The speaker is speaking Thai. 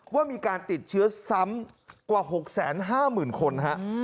ว่ามีการติดเชื้อซ้ำกว่า๖๕๐๐๐คนฮะ